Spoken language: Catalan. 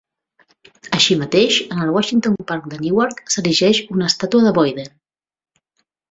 Així mateix, en el Washington Park de Newark s'erigeix una estàtua de Boyden.